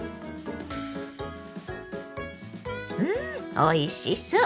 うんおいしそう！